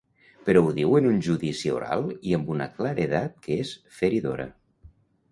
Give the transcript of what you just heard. Però ho diu en un judici oral i amb una claredat que és feridora.